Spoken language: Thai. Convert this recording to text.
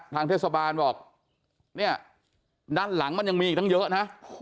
ทางเทศบาลบอกเนี่ยด้านหลังมันยังมีอีกตั้งเยอะนะ